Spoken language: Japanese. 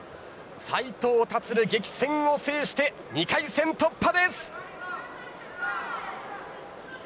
斉藤立、激戦を制して２回戦突破です。